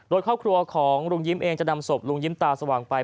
โดยครอบครัวของลุงยิ้มเองจะนำศพลุงยิ้มตาสว่างไป